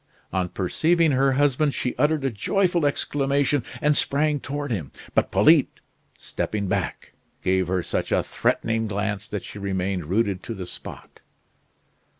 On perceiving her husband, she uttered a joyful exclamation, and sprang toward him. But Polyte, stepping back, gave her such a threatening glance that she remained rooted to the spot.